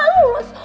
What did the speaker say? kalau kita ga lulus